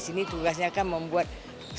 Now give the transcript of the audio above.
nah kita pbsi ini tugasnya kan membuatnya